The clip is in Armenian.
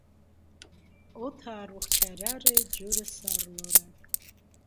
Օդը առողջարար է, ջուրը՝ սառնորակ։